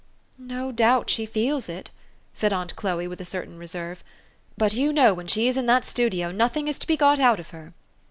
"No doubt she feels it," said aunt Chloe, with a certain reserve ;'' but you know when she is in that studio, nothing is to be got out of her."